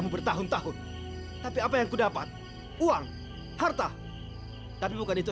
baik aku akan lakukan itu